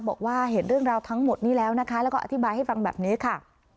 บอกว่าเห็นเรื่องราวทั้งหมดนี้แล้วนะคะแล้วก็อธิบายให้ฟังแบบนี้ค่ะ